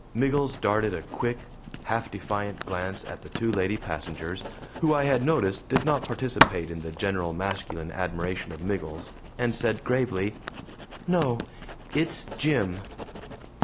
Miggles darted a quick, half defiant glance at the two lady passengers who I had noticed did not participate in the general masculine admiration of Miggles, and said gravely, "No; it's Jim."